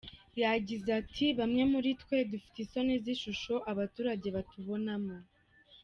Yagize ati "Bamwe muri twe dufite isoni z’ishusho abaturage batubonamo.